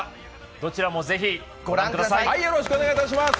どちらもぜひご覧ください。